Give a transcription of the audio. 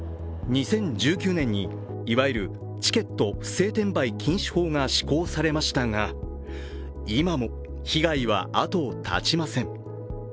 ２０１９年に、いわゆるチケット不正転売禁止法が施行されましたが今も被害は後を絶ちません。